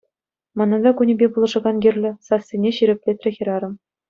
Мана та кунӗпе пулӑшакан кирлӗ, — сассине ҫирӗплетрӗ хӗрарӑм.